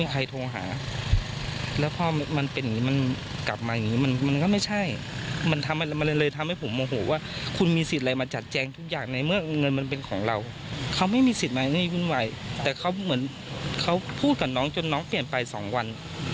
เขาไม่มีศิษย์มาให้ยุ่นวัยแต่เขาเหมือนเขาพูดขนาดน้องจนน้องเปลี่ยนภายสองวัน